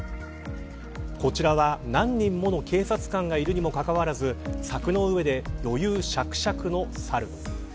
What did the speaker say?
こちらは、何人もの警察官がいるにもかかわらず柵の上で余裕しゃくしゃくのサル。